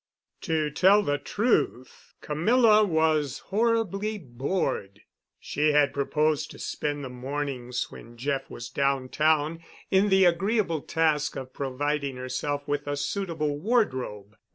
To tell the truth, Camilla was horribly bored. She had proposed to spend the mornings, when Jeff was downtown, in the agreeable task of providing herself with a suitable wardrobe.